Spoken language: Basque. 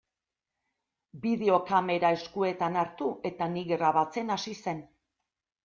Bideokamera eskuetan hartu eta ni grabatzen hasi zen.